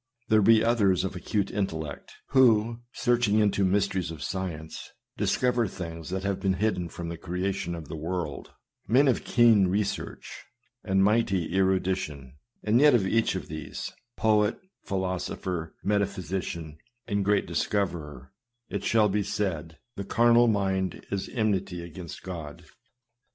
There be others of acute intellect, who, searching into mysteries of science, discover things that have been hidden from the creation of the world ; men of keen research, and mighty erudition ; and yet of each of these — poet, philosopher, metaphysician, and great discoverer — it shall be said, " The carnal mind is enmity against God."